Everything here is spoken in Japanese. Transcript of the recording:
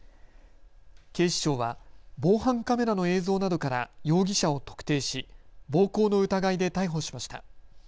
警視庁は防犯カメラの映像などから容疑者を特定し暴行の疑いで逮捕しました。